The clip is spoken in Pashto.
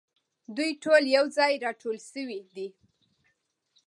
دوی ټول یو ځای راټول شوي دي.